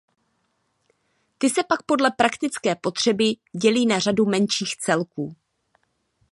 Ty se pak podle praktické potřeby dělí na řadu menších celků.